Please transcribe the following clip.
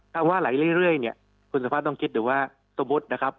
ถ้าว่าไหลเรื่อยเนี่ยคุณสุภาพต้องคิดดูว่าสมมุตินะครับ